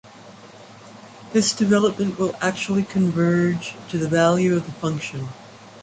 This development will actually converge to the value of the function.